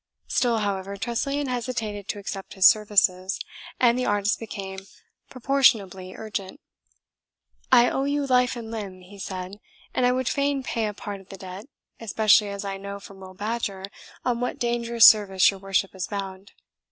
Still, however, Tressilian hesitated to accept his services, and the artist became proportionably urgent. "I owe you life and limb," he said, "and I would fain pay a part of the debt, especially as I know from Will Badger on what dangerous service your worship is bound.